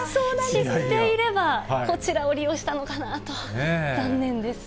知っていれば、こちらを利用したのかなと、残念です。